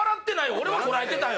俺は堪えてたよ